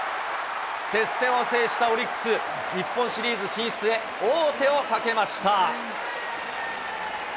接戦を制したオリックス、日本シリーズ進出へ、王手をかけました。